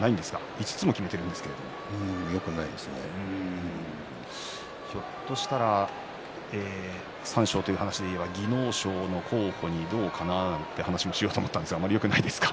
５つもきめていますけれどもひょっとしたら三賞としては技能賞の候補にどうかななんていう話をしようと思ったんですけれどもよくないですか。